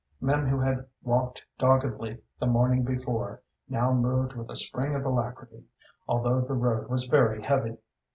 Men who had walked doggedly the morning before now moved with a spring of alacrity, although the road was very heavy.